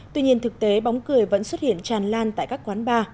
tuy nhiên thực tế bóng cười vẫn xuất hiện tràn lan tại các quán bar